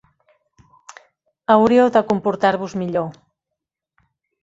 Hauríeu de comportar-vos millor.